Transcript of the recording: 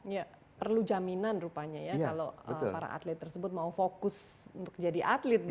ya perlu jaminan rupanya ya kalau para atlet tersebut mau fokus untuk jadi atlet